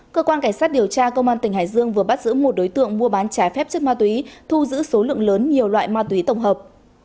cơ quan cảnh sát điều tra công an tỉnh hải dương vừa bắt giữ một đối tượng mua bán trái phép chất ma túy thu giữ số lượng lớn nhiều loại ma túy tổng hợp